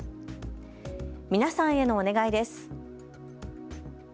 皆さんへのお願いです。